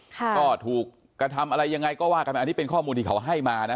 ก็ถูกกระทำอะไรยังไงก็ว่ากันไปอันนี้เป็นข้อมูลที่เขาให้มานะ